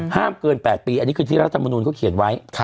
เกิน๘ปีอันนี้คือที่รัฐมนุนเขาเขียนไว้